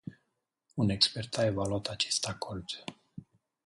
Un expert a evaluat acest acord.